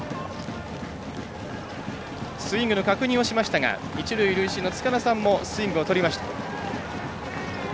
スイングの確認をしましたが一塁、塁審もスイングをとりました。